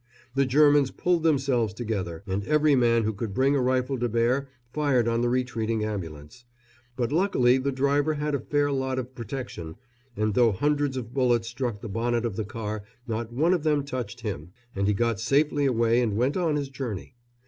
The Germans pulled themselves together, and every man who could bring a rifle to bear fired on the retreating ambulance; but luckily the driver had a fair lot of protection, and though hundreds of bullets struck the bonnet of the car not one of them touched him, and he got safely away and went on his journey.